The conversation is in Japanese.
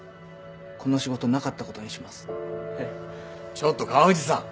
ちょっと川藤さん。